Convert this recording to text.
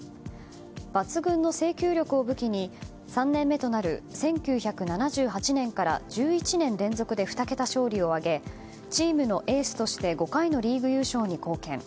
抜群の制球力を武器に３年目となる１９７８年から１１年連続で２桁勝利を挙げチームのエースとして５回のリーグ優勝に貢献。